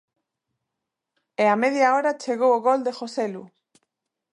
E á media hora chegou o gol de Joselu.